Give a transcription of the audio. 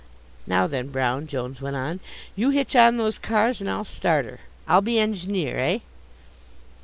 "Now then, Brown," Jones went on, "you hitch on those cars and I'll start her. I'll be engineer, eh!"